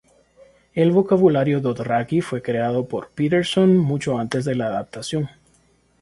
El vocabulario dothraki fue creado por Peterson, mucho antes de la adaptación.